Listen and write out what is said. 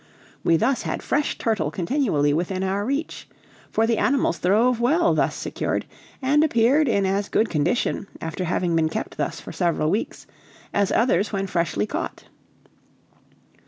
We thus had fresh turtle continually within our reach; for the animals throve well thus secured, and appeared in as good condition, after having been kept thus for several weeks, as others when freshly caught.